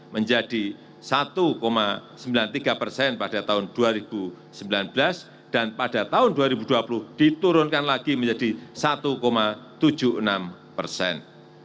menjadi satu sembilan puluh tiga persen pada tahun dua ribu sembilan belas dan pada tahun dua ribu dua puluh diturunkan lagi menjadi satu tujuh puluh enam persen